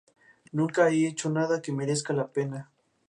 Nunca he hecho nada que merezca la pena.